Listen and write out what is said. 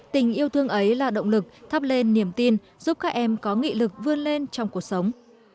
tình yêu thương ấy là động lực thắp lên niềm tin giúp các em có nghị lực vươn lên trong cuộc sống